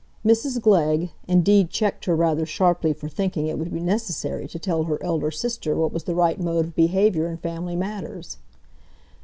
Mrs Glegg, indeed checked her rather sharply for thinking it would be necessary to tell her elder sister what was the right mode of behaviour in family matters.